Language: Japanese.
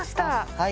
はい。